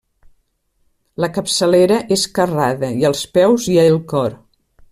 La capçalera és carrada i als peus hi ha el cor.